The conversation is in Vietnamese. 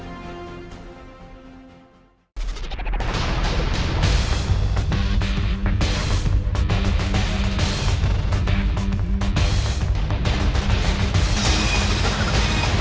hội đồng nhân dân